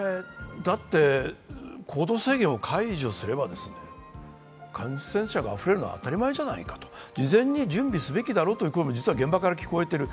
行動制限を解除すれば、感染者が増えるのは当たり前じゃないか、事前に準備すべきだろうという声も実は現場から聞こえている。